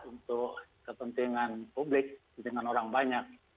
untuk kepentingan publik kepentingan orang banyak